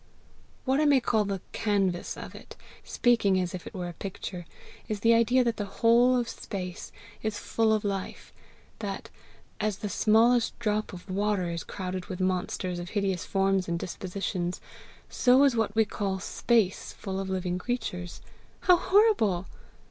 "What I may call the canvas of it, speaking as if it were a picture, is the idea that the whole of space is full of life; that, as the smallest drop of water is crowded with monsters of hideous forms and dispositions, so is what we call space full of living creatures, " "How horrible!"